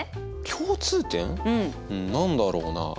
共通点何だろうな？